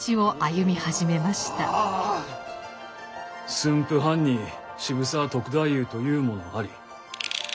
「駿府藩に渋沢篤太夫というものあり。